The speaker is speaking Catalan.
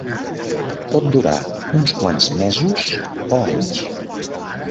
Pot durar uns quants mesos o anys.